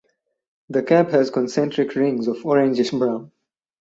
The cap has concentric rings of orangish brown.